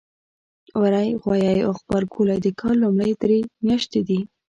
وری ، غوایی او غبرګولی د کال لومړۍ درې میاتشې دي.